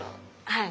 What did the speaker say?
はい。